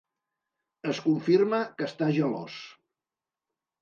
Es confirma que està gelós.